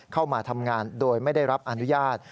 เข้ามาทำงานโดยไม่ได้รับอนุญาต